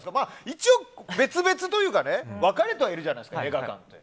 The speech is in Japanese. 一応、別々というか分かれてはいるじゃないですか映画館って。